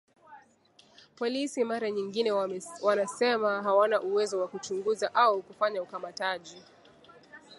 Polisi mara nyingine wanasema hawana uwezo wa kuchunguza au kufanya ukamataji